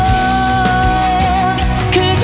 ก็มันคิดถึงเธอ